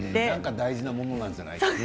大事なものなんじゃないかと。